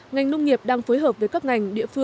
ngành nông nghiệp đang phối hợp với các ngành